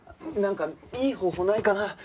なんかいい方法ないかな？